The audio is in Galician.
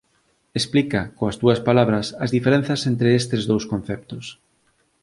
Explica, coas túas palabras, as diferenzas entre estes dous conceptos.